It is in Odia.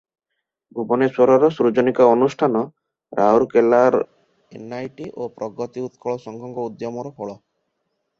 ଭୁବନେଶ୍ୱରର ସୃଜନିକା ଅନୁଷ୍ଠାନ, ରାଉରକେଲା ଏନଆଇଟି ଓ ପ୍ରଗତି ଉତ୍କଳ ସଂଘଙ୍କ ଉଦ୍ୟମର ଫଳ ।